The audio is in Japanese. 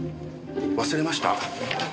忘れました。